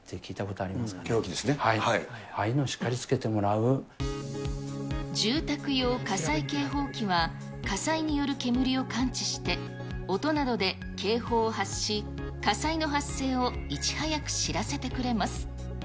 ああいうのをしっかりつけて住宅用火災警報器は、火災による煙を感知して、音などで警報を発し、火災の発生をいち早く知らせてくれます。